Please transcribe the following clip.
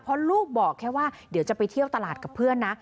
เพราะลูกบอกแค่ว่าเดี๋ยวจะไปเที่ยวตลาดกับเพื่อนนะ